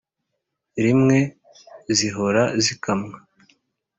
rimwe (zihora zikamwa